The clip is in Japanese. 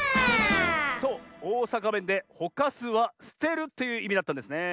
そうおおさかべんで「ほかす」は「すてる」といういみだったんですねえ。